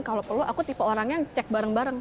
kalau perlu aku tipe orangnya cek bareng bareng